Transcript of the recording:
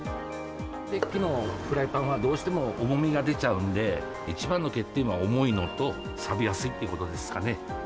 鉄器のフライパンは、どうしても重みが出ちゃうんで、一番の欠点は重いのと、さびやすいっていうことですかね。